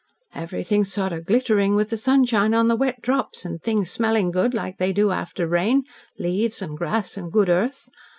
"Everything sort of glittering with the sunshine on the wet drops, and things smelling good, like they do after rain leaves, and grass, and good earth.